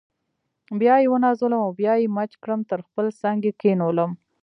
بیا یې ونازولم او بیا یې مچ کړم تر خپل څنګ یې کښېنولم.